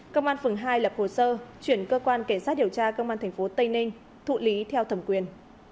công an phường hai lập hồ sơ chuyển cơ quan cảnh sát điều tra công an tp tây ninh thụ lý theo thẩm quyền